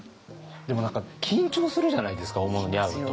でも何か緊張するじゃないですか大物に会うと。